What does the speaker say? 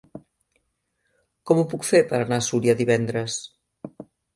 Com ho puc fer per anar a Súria divendres?